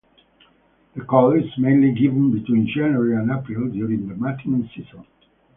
The call is mainly given between January and April during the mating season.